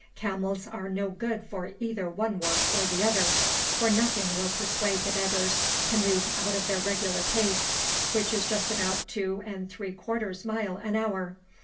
Camels are no good for either one work or the other, for nothing will persuade the beggars to move out of their regular pace, which is just about two and three quarter miles an hour.